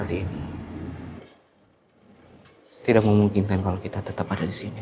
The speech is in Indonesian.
tidak mungkin kan kalo kita tetep ada disini